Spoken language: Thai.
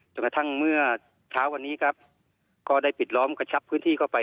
กระทั่งเมื่อเช้าวันนี้ครับก็ได้ปิดล้อมกระชับพื้นที่เข้าไป